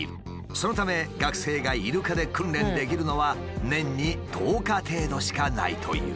そのため学生がイルカで訓練できるのは年に１０日程度しかないという。